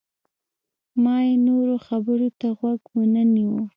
ما یې نورو خبرو ته غوږ ونه نیوه.